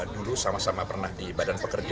dulu sama sama pernah di badan pekerja